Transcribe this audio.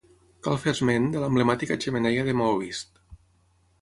Cal fer esment de l'emblemàtica xemeneia de maó vist.